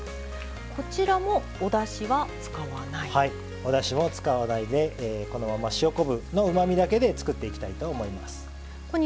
おだしを使わないでこのまま塩昆布のうまみだけで作っていきたいと思います。